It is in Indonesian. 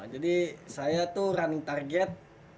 jadi saya tuh running target